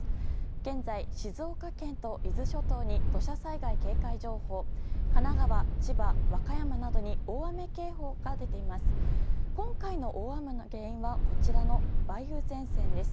現在、静岡県と伊豆諸島に土砂災害警戒情報神奈川、千葉、和歌山などに大雨警報が出ています。